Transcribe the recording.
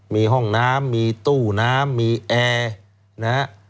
มีห้องน้ำมีตู้น้ำมีแอร์นะฮะ